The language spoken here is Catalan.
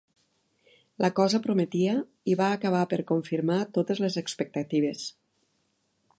La cosa prometia i va acabar per confirmar totes les expectatives.